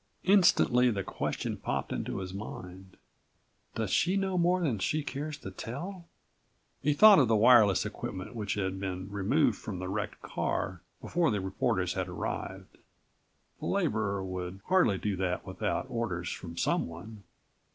Instantly the question popped into his mind: "Does she know more than she cares to tell?" He thought of the wireless equipment which had been removed from the wrecked car before the reporters had arrived. The laborer would hardly do that without orders from someone.